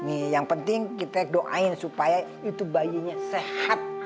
nih yang penting kita doain supaya itu bayinya sehat